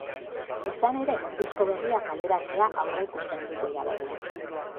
Izan ere, disko berria kaleratzea aurreikusten dute, udaberrian.